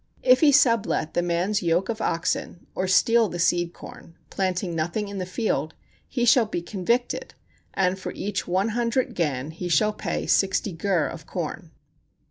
If he sublet the man's yoke of oxen or steal the seed corn, planting nothing in the field, he shall be convicted, and for each one hundred gan he shall pay sixty gur of corn.